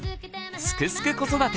「すくすく子育て」